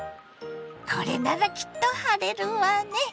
これならきっと晴れるわね。